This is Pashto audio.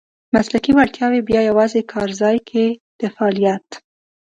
مسلکي وړتیاوې بیا یوازې کارځای کې د فعالیت .